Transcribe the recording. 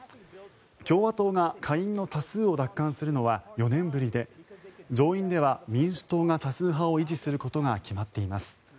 共和党が下院の多数を奪還するのは４年ぶりで上院では民主党が多数派を維持することが決まっています。